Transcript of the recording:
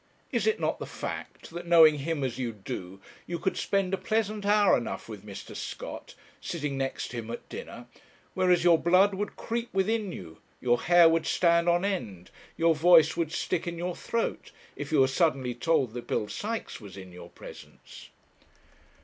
Is it not the fact, that, knowing him as you do, you could spend a pleasant hour enough with Mr. Scott, sitting next to him at dinner; whereas your blood would creep within you, your hair would stand on end, your voice would stick in your throat, if you were suddenly told that Bill Sykes was in your presence?